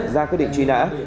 ra quyết định truy nã